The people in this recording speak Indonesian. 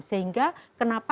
sehingga kenapa akhirnya